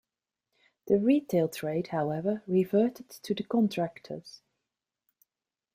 The retail trade, however, reverted to the contractors.